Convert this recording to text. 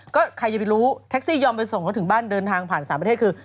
ก็ใครจะไปรู้แท็กซี่ยอมไปส่งเขาถึงบ้านเดินทางผ่านสามประเทศคือ